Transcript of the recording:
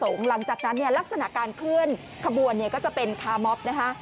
หลังจากนั้นเนี่ยลักษณะการเคลื่อนขบวนเนี่ยก็จะเป็นคาร์มอบนะคะ